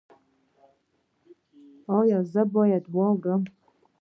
ایا زه باید واورم؟